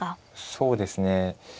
そうですね